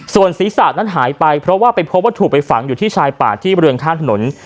ส่วนศีรษะนั้นหายไปเพราะว่าไปพบว่าถูกไปฝังอยู่ที่ชายป่าที่บริเวณข้างถนน